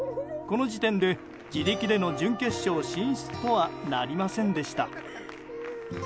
この時点で自力での準決勝進出とはなりませんでした。